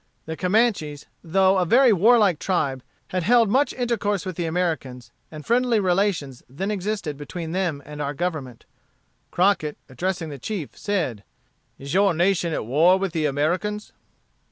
The Comanches, though a very warlike tribe, had held much intercourse with the Americans, and friendly relations then existed between them and our Government. Crockett, addressing the chief, said: "Is your nation at war with the Americans?"